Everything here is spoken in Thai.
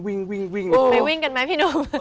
ไปวิ่งกันไหมพี่หนุ่ม